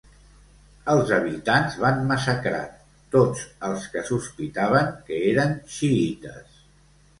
Els habitants van massacrar tots els que sospitaven que eren xiïtes.